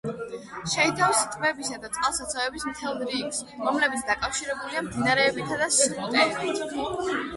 შეიცავს ტბებისა და წყალსაცავების მთელ რიგს, რომლებიც დაკავშირებულია მდინარეებითა და სრუტეებით.